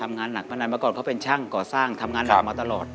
งานหนักพนันมาก่อนเขาเป็นช่างก่อสร้างทำงานหนักมาตลอด